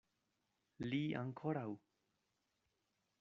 Li ankoraŭ!